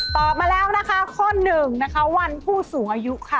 ตอบมาแล้วนะคะข้อ๑นะคะวันผู้สูงอายุค่ะ